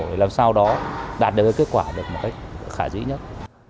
để làm sao đó đạt được kết quả được một cách khả dĩ nhất